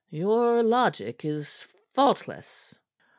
"Your logic is faultless."